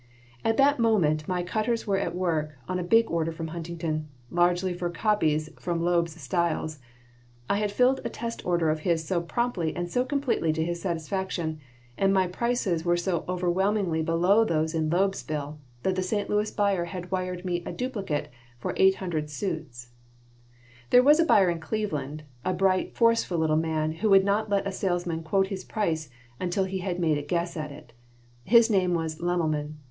At that very moment my cutters were at work on a big order from Huntington, largely for copies from Loeb's styles. I had filled a test order of his so promptly and so completely to his satisfaction, and my prices were so overwhelmingly below those in Loeb's bill, that the St. Louis buyer had wired me a "duplicate" for eight hundred suits There was a buyer in Cleveland, a bright, forceful little man who would not let a salesman quote his price until he had made a guess at it. His name was Lemmelmann.